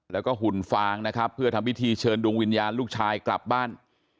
แล้วก็หุ่นฟางนะครับเพื่อทำพิธีเชิญดวงวิญญาณลูกชายกลับบ้าน